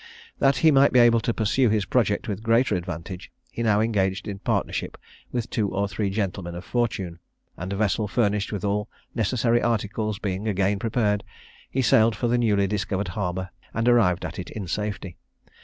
That he might be able to pursue his project with the greater advantage, he now engaged in partnership with two or three gentlemen of fortune; and a vessel furnished with all necessary articles being again prepared, he sailed for the newly discovered harbour, and arrived at it in safety.